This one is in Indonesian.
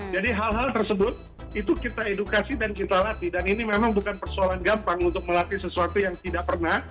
jadi hal hal tersebut itu kita edukasi dan kita latih dan ini memang bukan persoalan gampang untuk melatih sesuatu yang tidak pernah